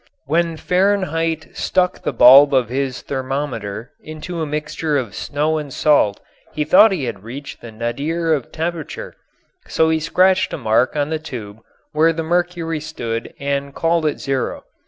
When Fahrenheit stuck the bulb of his thermometer into a mixture of snow and salt he thought he had reached the nadir of temperature, so he scratched a mark on the tube where the mercury stood and called it zero.